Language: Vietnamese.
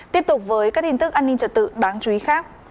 tiếp tục với các tin tức an ninh trật tự đáng chú ý khác